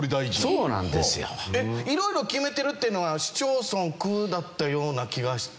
色々決めてるっていうのは市町村区だったような気がして。